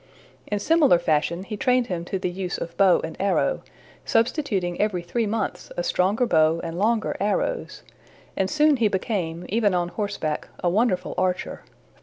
In similar fashion he trained him to the use of bow and arrow, substituting every three months a stronger bow and longer arrows; and soon he became, even on horseback, a wonderful archer.